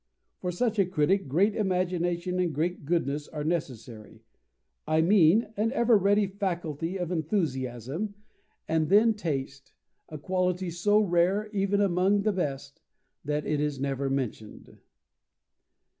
For such a critic, great imagination and great goodness are necessary. I mean an ever ready faculty of enthusiasm, and then taste, a quality so rare, even among the best, that it is never mentioned."